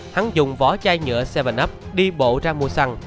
hẳn dùng vỏ chai nhựa bảy up đi bộ ra mua xăng